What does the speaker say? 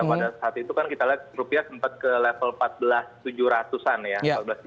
pada saat itu kan kita lihat rupiah sempat ke level empat belas tujuh ratus an ya